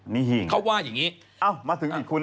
นี่เขาว่าอย่างนี้เอ้ามาถึงอีกคุณ